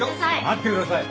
待ってください！